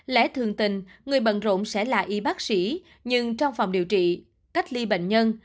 lẽ thường tình người bận rộn sẽ là y bác sĩ nhưng trong phòng điều trị cách ly bệnh nhân